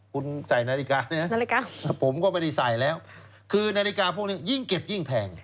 คุณใส่นาฬิกานะผมก็ไม่ได้ใส่อยู่แล้วนาฬิกาพวกนี้ยิ่งเก็บยิ่งแพง